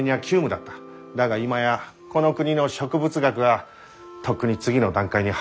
だが今やこの国の植物学はとっくに次の段階に入ろうとしている。